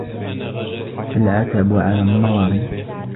العتب على النظر